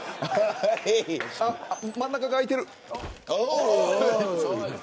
真ん中が開いてる。